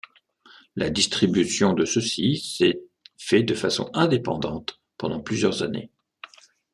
La distribution de ceux-ci s'est fait de façon indépendante pendant plusieurs années.